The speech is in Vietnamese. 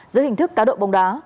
dưới hình thức cáo độ bóng đá